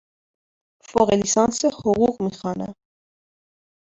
فوق لیسانس حقوق می خوانم.